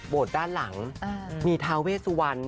โบสถ์ด้านหลังมีทาเวสวรรค์